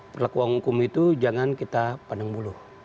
perlakuan hukum itu jangan kita pandang bulu